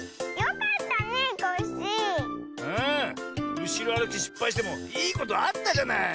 うしろあるきしっぱいしてもいいことあったじゃない？